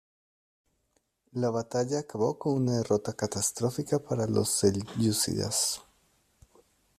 La batalla acabó con una derrota catastrófica para los selyúcidas.